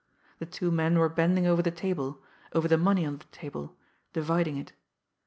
The two men were bending over the table, over the money on the table, dividing it.